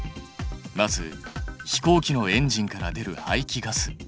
まず飛行機のエンジンから出る排気ガス。